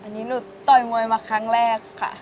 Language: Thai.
อันนี้หนูต่อยมวยมาครั้งแรกค่ะ